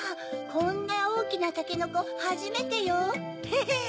こんなおおきなたけのこはじめてよ。ヘヘっ！